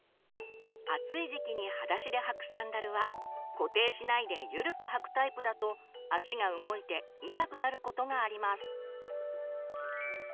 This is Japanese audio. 暑い時期にはだしで履くサンダルは固定しないでゆるく履くタイプだと足が動いて痛くなることがあります。